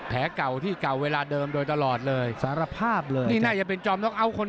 แผลเก่าที่เก่าเวลาเดิมโดยตลอดเลยสารภาพเลยนี่น่าจะเป็นคน